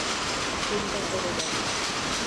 চিন্তা করে দেখ।